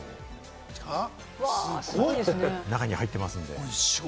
中に入ってますんで。